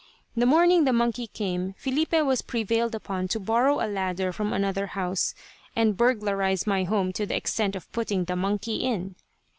The morning the monkey came, Filipe was prevailed upon to borrow a ladder from another house, and burglarise my home to the extent of putting the monkey in.